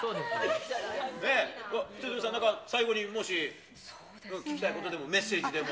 一青窈さん、最後に、何か、聞きたいことでも、メッセージでも。